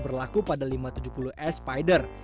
berlaku pada lima ratus tujuh puluh spider